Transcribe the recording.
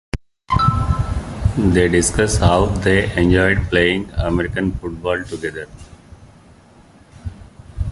They discuss how they enjoyed playing American football together.